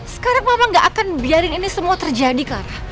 sekarang mama gak akan biarin ini semua terjadi clara